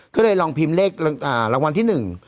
ก็เลยลองพิมพ์เลขรางวัลที่หนึ่ง